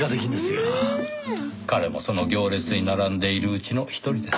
彼もその行列に並んでいるうちの一人です。